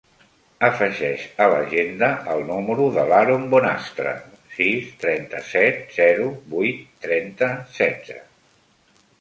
Afegeix a l'agenda el número de l'Haron Bonastre: sis, trenta-set, zero, vuit, trenta, setze.